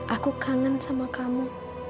aku kangen sama kamu